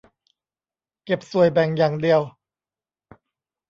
เก็บส่วยแบ่งอย่างเดียว